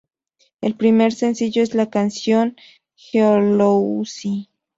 El primer sencillo es la canción ""Jealousy"".